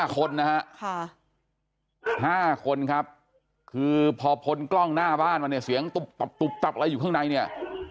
๕คนนะครับ๕คนครับคือพอพลกล้องหน้าบ้านมันเนี่ยเสียงตุบอะไรอยู่ข้างในเนี่ย